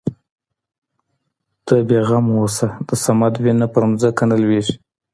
ته بې غمه اوسه د صمد وينه په ځمکه نه لوېږي.